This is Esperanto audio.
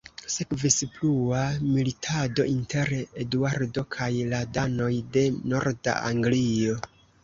Sekvis plua militado inter Eduardo kaj la danoj de norda Anglio.